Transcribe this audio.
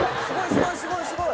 すごいすごいすごい！